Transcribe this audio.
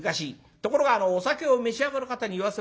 ところがお酒を召し上がる方に言わせます